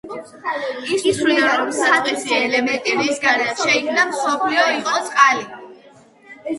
ის თვლიდა, რომ საწყისი ელემენტი, რისგანაც შეიქმნა მსოფლიო იყო წყალი.